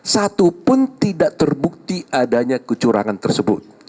satu pun tidak terbukti adanya kecurangan tersebut